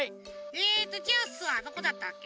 えっとジュースはどこだったっけ？